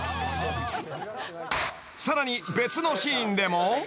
［さらに別のシーンでも］